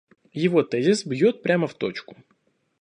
Его тезис бьет прямо в точку.